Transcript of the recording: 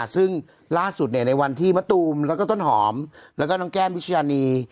ซึ่งล่าสุดในวันที่มะตูมแล้วก็ต้นหอมแล้วก็น้องแก้มวิชญานี